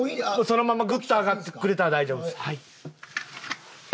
そのままグッと上がってくれたら大丈夫ですはい。